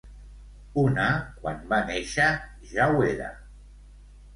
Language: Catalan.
Una, quan va néixer, ja ho era.